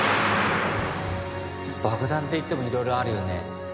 爆弾っていってもいろいろあるよね。